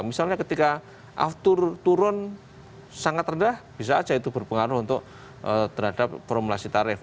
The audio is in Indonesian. misalnya ketika aftur turun sangat rendah bisa aja itu berpengaruh untuk terhadap formulasi tarif